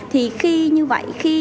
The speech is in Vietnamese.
thì khi như vậy khi